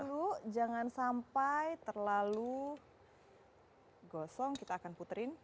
dulu jangan sampai terlalu gosong kita akan puterin